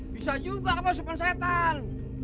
bisa juga pasupan setan